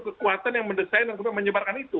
kekuatan yang mendesain dan menyebarkan itu